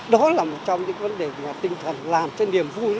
đó là một trong những vấn đề về tinh thần làm cho niềm vui làm cho niềm vui